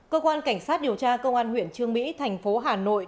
cơ quan cảnh sát điều tra công an huyện trương mỹ thành phố hà nội